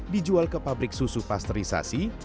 dijual ke pabrik susu pasterisasi